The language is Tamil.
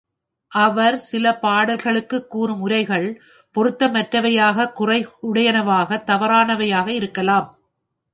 அவர் சில பாடல்களுக்குக் கூறும் உரைகள் பொருத்தமற்றவையாக, குறையுடையனவாக, தவறானவையாக இருக்கலாம்.